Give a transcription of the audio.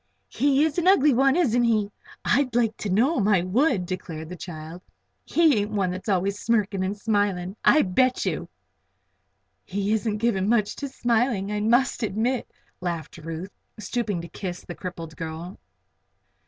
"He is an ugly one; isn't he? I'd like to know him, I would," declared the odd child. "He ain't one that's always smirking and smiling, I bet you!" "He isn't given much to smiling, I must admit," laughed Ruth, stooping to kiss the crippled girl.